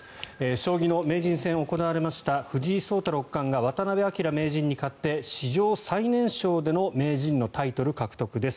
将棋の名人戦が行われました藤井聡太六冠が渡辺明名人に勝って史上最年少での名人のタイトル獲得です。